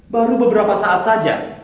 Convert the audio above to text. baru beberapa saat saja